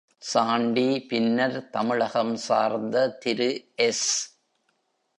சாண்டி, பின்னர், தமிழகம் சார்ந்த திரு எஸ்.